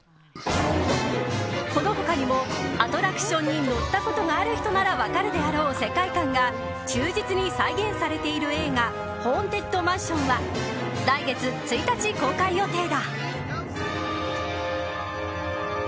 この他にもアトラクションに乗ったことがある人なら分かるであろう世界観が忠実に再現されている映画「ホーンテッドマンション」は来月１日公開予定だ。